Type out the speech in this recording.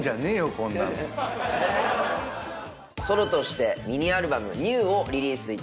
ソロとしてミニアルバム『ＮＥＷＷＷ』をリリースいたします。